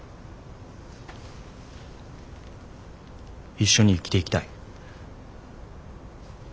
一緒に生きていきたい。